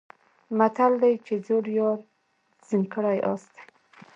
متل دی چې زوړ یار زین کړی آس دی.